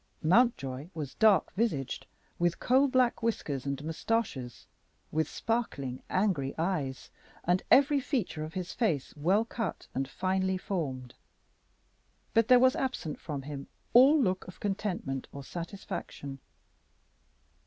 Mountjoy was dark visaged, with coal black whiskers and mustaches, with sparkling, angry eyes, and every feature of his face well cut and finely formed; but there was absent from him all look of contentment or satisfaction.